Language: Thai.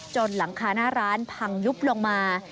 หลังคาหน้าร้านพังยุบลงมา